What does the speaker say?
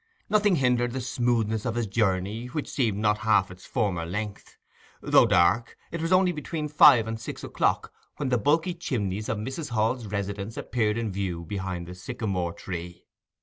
Nothing hindered the smoothness of his journey, which seemed not half its former length. Though dark, it was only between five and six o'clock when the bulky chimneys of Mrs. Hall's residence appeared in view behind the sycamore tree.